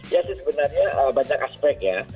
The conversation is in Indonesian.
ya sih sebenarnya banyak aspek ya